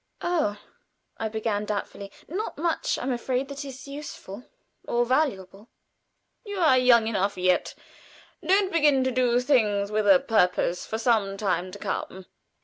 "Oh!" I began, doubtfully, "not much, I am afraid, that is useful or valuable." "You are young enough yet. Don't begin to do things with a purpose for some time to come.